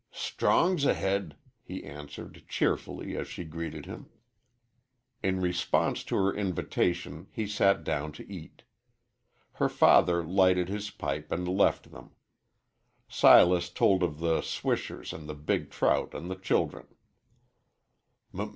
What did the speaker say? "Strong's ahead!" he answered, cheerfully, as she greeted him. In response to her invitation he sat down to eat. Her father lighted his pipe and left them. Silas told of the swishers and the big trout and the children.